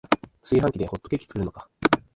炊飯器でホットケーキ作るのか